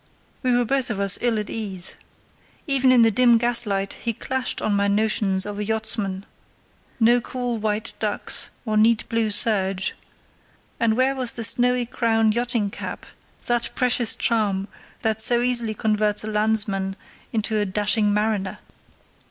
We were both of us ill at ease. Even in the dim gaslight he clashed on my notions of a yachtsman—no cool white ducks or neat blue serge; and where was the snowy crowned yachting cap, that precious charm that so easily converts a landsman into a dashing mariner?